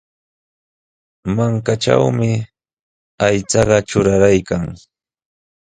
Mankatrawmi aychaqa truraraykan.